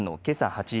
８時